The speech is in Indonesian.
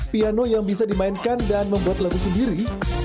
piano yang bisa dimainkan dan membuat lagu sendiri